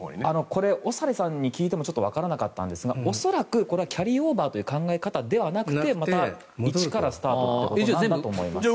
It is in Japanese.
長利さんに聞いてもわからなかったんですが恐らくキャリーオーバーという考え方ではなくてまた１からスタートになるんだと思います。